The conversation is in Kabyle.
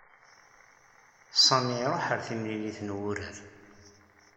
Sami i ṛuḥ ar timlilit n wurar.